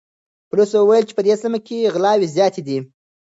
پولیسو وویل چې په دې سیمه کې غلاوې زیاتې دي.